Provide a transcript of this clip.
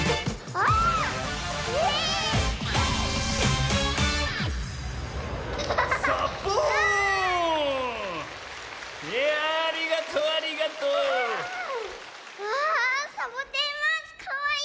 わあサボテンマウスかわいいな！でしょ。